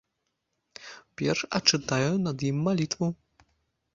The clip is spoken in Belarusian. Перш адчытаю над ім малітву.